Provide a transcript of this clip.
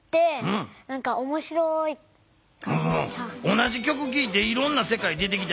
同じ曲聴いていろんなせかい出てきたやろ？